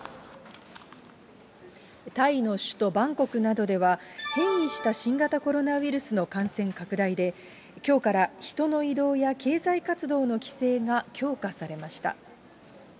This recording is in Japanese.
タイの首都バンコクなどでは、変異した新型コロナウイルスの感染拡大で、きょうから人の移動や、経済活動の規制が強化されました。